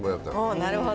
なるほど。